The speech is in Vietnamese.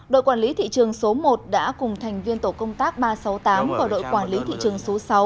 đội quản lý thị trường số một đã cùng thành viên tổ công tác ba trăm sáu mươi tám của đội quản lý thị trường số sáu